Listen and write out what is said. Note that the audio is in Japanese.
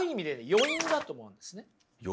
余韻だと思うんですね。